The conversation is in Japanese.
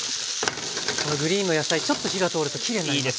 このグリーンの野菜ちょっと火が通るときれいになりますよね。